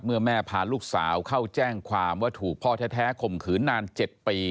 แม่พาลูกสาวเข้าแจ้งความว่าถูกพ่อแท้ข่มขืนนาน๗ปี